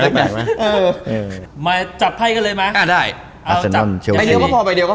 ตั้งแต่เออมาจับไพ่กันเลยไหมอ่าได้เอาจับไปเร็วก็พอไปเร็วก็